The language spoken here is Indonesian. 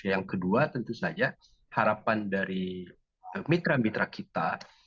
yang kedua tentu saja harapan dari mitra mitra kita